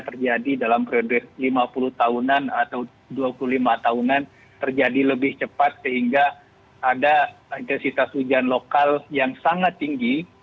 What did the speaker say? terjadi dalam periode lima puluh tahunan atau dua puluh lima tahunan terjadi lebih cepat sehingga ada intensitas hujan lokal yang sangat tinggi